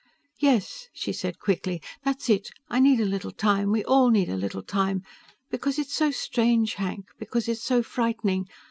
"Yes," she said quickly, "that's it. I need a little time. We all need a little time. Because it's so strange, Hank. Because it's so frightening.